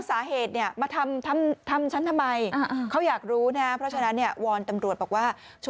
สองหรือถูกเป้า